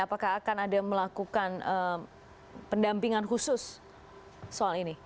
apakah akan ada melakukan pendampingan khusus soal ini